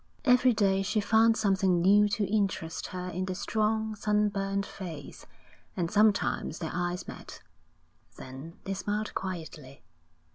Every day she found something new to interest her in the strong, sunburned face; and sometimes their eyes met: then they smiled quietly.